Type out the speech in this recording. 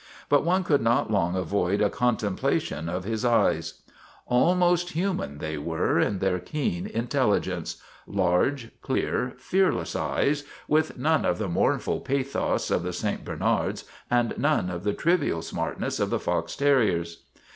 But one could not long avoid a contemplation of his eyes. 134 STRIKE AT TIVERTON MANOR Almost human they were in their keen intelligence large, clear, fearless eyes, with none of the mournful pathos of the St. Bernard's and none of the trivial smartness of the fox terrier's.